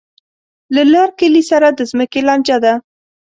له لر کلي سره د ځمکې لانجه ده.